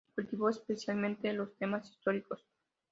Cultivó especialmente los temas históricos.